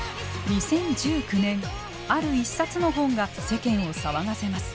２０１９年ある一冊の本が世間を騒がせます。